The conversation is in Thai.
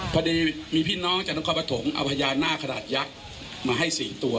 พอดีมีพี่น้องจากนครปฐมเอาพญานาคขนาดยักษ์มาให้๔ตัว